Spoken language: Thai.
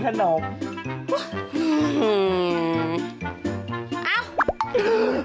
ว้าวอืมอ้าวอื้อฮือ